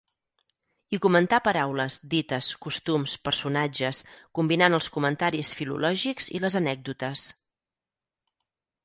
Hi comentà paraules, dites, costums, personatges, combinant els comentaris filològics i les anècdotes.